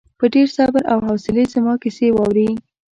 په ډېر صبر او حوصلې زما کیسه واورې.